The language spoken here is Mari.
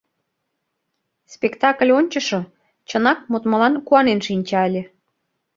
Спектакль ончышо чынак модмылан куанен шинча ыле.